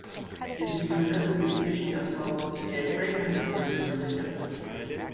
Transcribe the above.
In his university teaching as well, he gave great emphasis to religion.